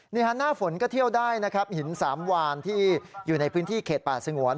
หน้าฝนก็เที่ยวได้นะครับหินสามวานที่อยู่ในพื้นที่เขตป่าสงวน